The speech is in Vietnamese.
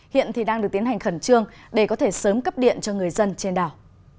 hiện thì đang được tiến hành khẩn trương để có thể sớm cấp điện cho người dân trên đảo